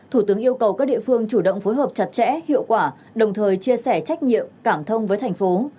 hợp chặt chẽ hiệu quả đồng thời chia sẻ trách nhiệm cảm thông với thành phố